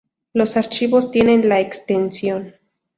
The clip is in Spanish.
Los archivos tienen la extensión.